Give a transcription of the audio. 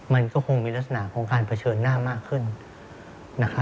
มันก็คงมีลักษณะของการเผชิญหน้ามากขึ้น